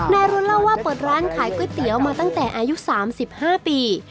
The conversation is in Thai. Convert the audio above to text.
นายรุ้นเล่าว่าเปิดร้านขายก๋วยเตี๋ยวมาตั้งแต่อายุ๓๕ปี